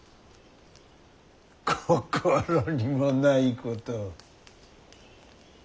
心にもないことを。